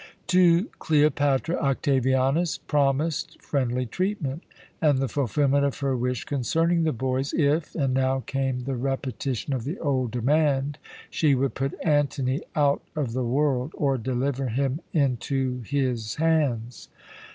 "To Cleopatra Octavianus promised friendly treatment, and the fulfilment of her wish concerning the boys if and now came the repetition of the old demand she would put Antony out of the world or deliver him into his hands.